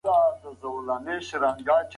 موږ خپل هدف ته ورسېدو.